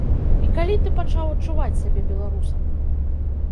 І калі ты пачаў адчуваць сябе беларусам?